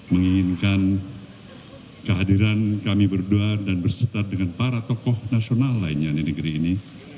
menginginkan kehadiran kami berdua dan berserta dengan para tokoh nasional lainnya di negeri ini